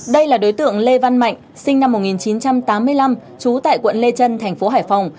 đây là đối tượng lê văn mạnh sinh năm một nghìn chín trăm tám mươi năm trú tại quận lê trân thành phố hải phòng